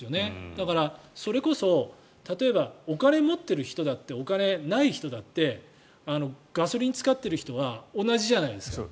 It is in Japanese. だからそれこそ例えばお金を持ってる人だってお金ない人だってガソリンを使っている人は同じじゃないですか。